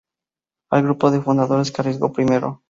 Al grupo de fundadores que arriesgó primero.